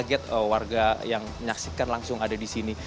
jadi saya kaget warga yang menyaksikan langsung ada di sini